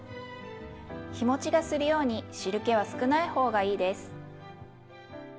日もちがするように汁けは少ない方がいいです。